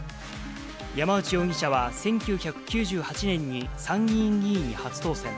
山内容疑者は、１９９８年に参議院議員に初当選。